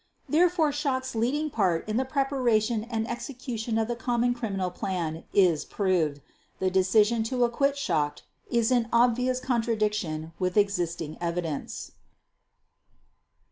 Therefore, Schacht's leading part in the preparation and execution of the common criminal plan is proved. The decision to acquit Schacht is in obvious contradiction with existing evidence.